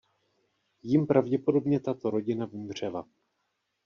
Jím pravděpodobně tato rodina vymřela.